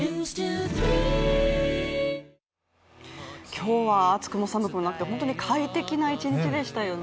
今日は暑くも寒くもなくて本当に快適な１日でしたよね。